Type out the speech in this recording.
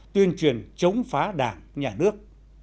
tuyên truyền chống phá đảng nhà nước